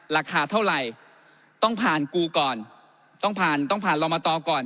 ราคาเท่าไหร่ต้องผ่านกูก่อนต้องผ่านต้องผ่านลมตก่อน